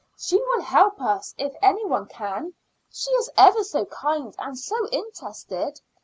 She will help us if any one can. She is ever so kind, and so interested.